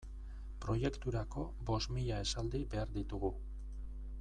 Proiekturako bost mila esaldi behar ditugu.